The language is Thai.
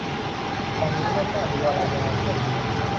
ตอนนี้ไม่กล้าดูอะไรยาว กลัวติด